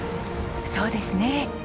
そうですね。